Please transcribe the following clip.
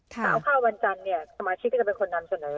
ถ้าเอาข้าววันจันทร์เนี่ยสมาชิกก็จะเป็นคนนำเสนอ